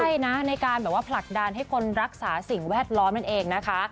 ใช่นะในการแบบว่าผลักดันให้คนรักษาสิ่งแวดล้อมนั่นเองนะคะ